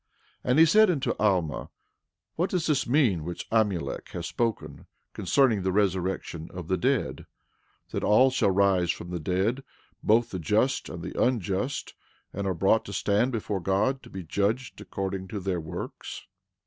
And he said unto Alma: What does this mean which Amulek hath spoken concerning the resurrection of the dead, that all shall rise from the dead, both the just and the unjust, and are brought to stand before God to be judged according to their works?